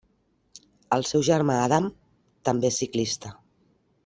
El seu germà Adam, també és ciclista.